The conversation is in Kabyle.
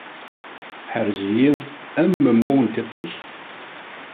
Ḥerz-iyi am mummu n tiṭ-ik.